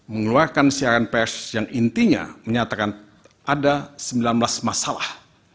mengeluarkan siaran pers yang intinya menyatakan ada sembilan belas masalah